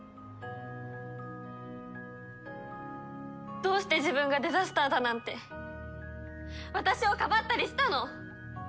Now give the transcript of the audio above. どうして自分がデザスターだなんて私をかばったりしたの！？